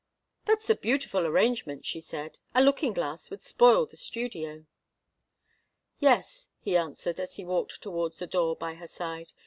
"That's a beautiful arrangement," she said. "A looking glass would spoil the studio." "Yes," he answered, as he walked towards the door by her side.